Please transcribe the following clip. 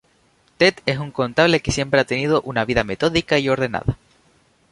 Ted es un contable que siempre ha tenido una vida metódica y ordenada.